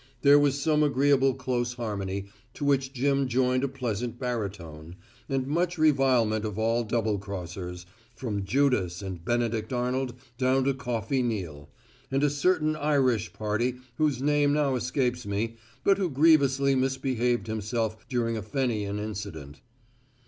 There was some agreeable close harmony, to which Jim joined a pleasant baritone, and much revilement of all double crossers, from Judas and Benedict Arnold down to Coffey Neal, and a certain Irish party whose name now escapes me, but who grievously misbehaved himself during a Fenian incident.